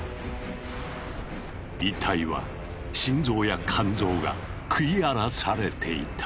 遺体は心臓や肝臓が食い荒らされていた。